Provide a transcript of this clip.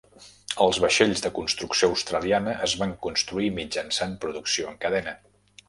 Els vaixells de construcció australiana es van construir mitjançant producció en cadena.